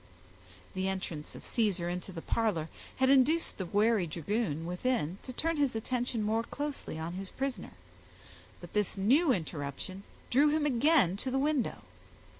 The entrance of Caesar into the parlor had induced the wary dragoon within to turn his attention more closely on his prisoner; but this new interruption drew him again to the window.